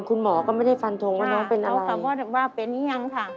คุณหมอก็ไม่ได้ฟันทงว่าน้องเป็นอะไรค่ะพ่อบอกว่าเป็นหรือยังค่ะ